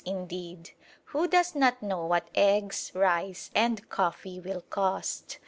indeed! Who does not know what eggs, rice, and coffee will cost?